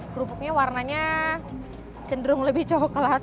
kerupuknya warnanya cenderung lebih coklat